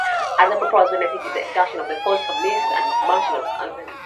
Another proposed benefit is the reduction the cost of meiosis and recombination events.